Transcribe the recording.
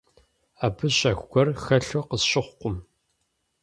Абы щэху гуэр хэлъу къысщыхъукъым.